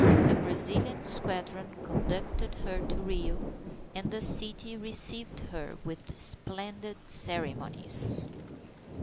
A Brazilian squadron conducted her to Rio, and the city received her with splendid ceremonies.